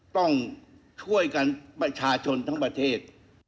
ต้องช่วยกันประชาชนทั้งประเทศ